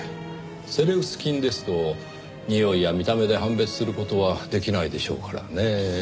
セレウス菌ですと臭いや見た目で判別する事はできないでしょうからねぇ。